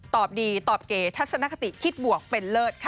ตอบดีตอบเก๋ทัศนคติคิดบวกเป็นเลิศค่ะ